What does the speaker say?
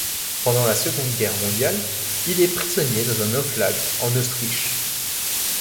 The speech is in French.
Pendant la Seconde Guerre mondiale, il est prisonnier dans un oflag en Autriche.